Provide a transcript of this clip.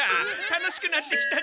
楽しくなってきた！